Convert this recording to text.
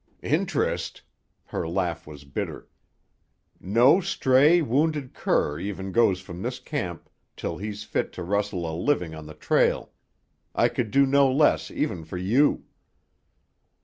"Interest!" Her laugh was bitter. "No stray, wounded cur even goes from this camp till he's fit to rustle a living on the trail. I could do no less even for you."